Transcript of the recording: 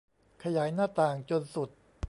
ขยายหน้าต่างจนสุด